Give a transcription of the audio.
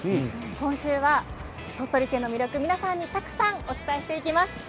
今週は鳥取県の魅力を皆さんにたくさんお伝えしていきます。